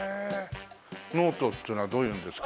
ノートっていうのはどういうのですか？